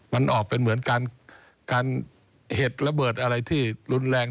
มันออกเป็นเหมือนการเหตุระเบิดอะไรที่รุนแรง